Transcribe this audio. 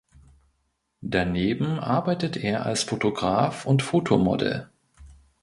Daneben arbeitet er als Fotograf und Fotomodel.